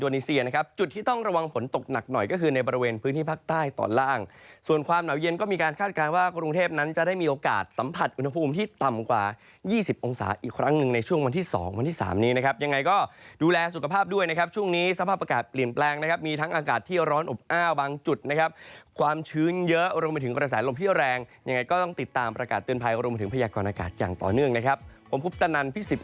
ในช่วงวันที่๒วันที่๓นี้นะครับยังไงก็ดูแลสุขภาพด้วยนะครับช่วงนี้สภาพอากาศเปลี่ยนแปลงนะครับมีทั้งอากาศที่ร้อนอบอ้าวบางจุดนะครับความชื้นเยอะลงมาถึงประสาทลมที่แรงยังไงก็ต้องติดตามประกาศเตือนภัยลงมาถึงพยากรณ์อากาศอย่างต่อเนื่องนะครับผมคุพธนันทร์พี่สิบห